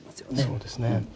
そうですね。